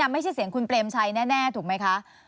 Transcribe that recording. ไม่ใช่เสียงคุณเปรมชัยแน่ถูกไหมคะ